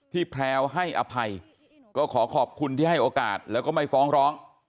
แพลวให้อภัยก็ขอขอบคุณที่ให้โอกาสแล้วก็ไม่ฟ้องร้อง